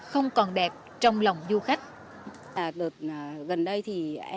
không còn đẹp trong lòng du khách